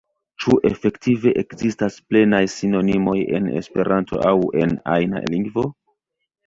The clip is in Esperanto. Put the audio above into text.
Ĉu efektive ekzistas plenaj sinonimoj en Esperanto aŭ en ajna lingvo?